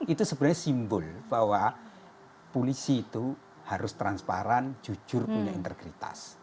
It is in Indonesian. itu sebenarnya simbol bahwa polisi itu harus transparan jujur punya integritas